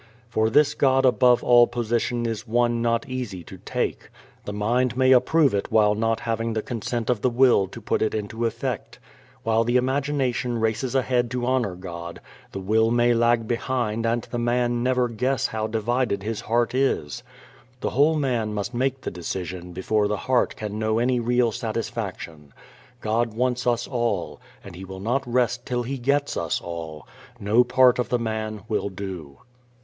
For this God above all position is one not easy to take. The mind may approve it while not having the consent of the will to put it into effect. While the imagination races ahead to honor God, the will may lag behind and the man never guess how divided his heart is. The whole man must make the decision before the heart can know any real satisfaction. God wants us all, and He will not rest till He gets us all. No part of the man will do.